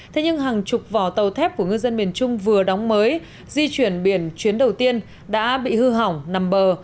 thế nhưng hàng chục vỏ tàu thép của ngư dân miền trung vừa đóng mới di chuyển biển chuyến đầu tiên đã bị hư hỏng nằm bờ